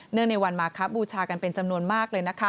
เนื่องในวันมาบูชากันเป็นจำนวนมากเลย